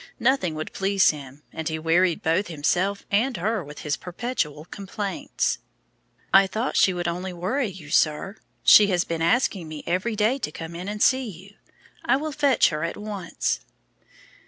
Nothing would please him, and he wearied both himself and her with his perpetual complaints. "I thought she would only worry you, sir. She has been asking me every day to come in and see you. I will fetch her at once."